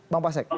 bang pak sek